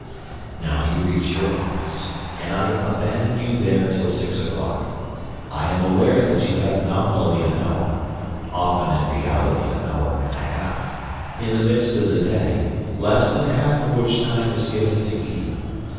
Now you reach your office. And I abandon you there till six o'clock. I am aware that you have nominally an hour (often in reality an hour and a half) in the midst of the day, less than half of which time is given to eating.